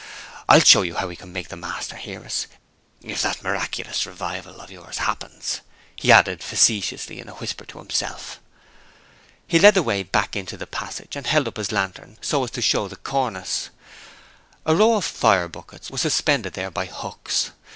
I'll show you how we can make the master hear us if that miraculous revival of yours happens," he added facetiously in a whisper to himself. He led the way back into the passage, and held up his lantern so as to show the cornice. A row of fire buckets was suspended there by books.